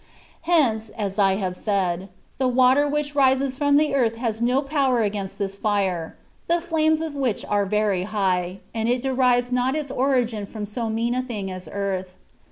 Hence, as I have said, the water which rises from the earth has no power against this fire, the flames of which are very high, and it derives not its origin &om so mean a thing as earth.